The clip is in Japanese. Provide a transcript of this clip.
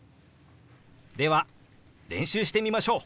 では練習してみましょう！